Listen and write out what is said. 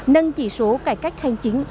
nâng chỉ số cải cách hành chính